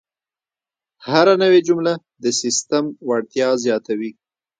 هره نوې جمله د سیسټم وړتیا زیاتوي.